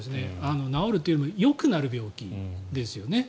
治るというよりよくなる病気ですよね。